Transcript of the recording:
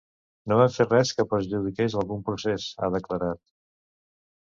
No vam fer res que perjudiqués algun procés, ha declarat.